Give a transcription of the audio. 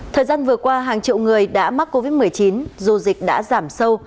thời gian vừa qua hàng triệu người đã mắc covid một mươi chín dù dịch đã giảm sâu